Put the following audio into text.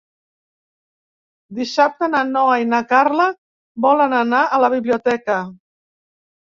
Dissabte na Noa i na Carla volen anar a la biblioteca.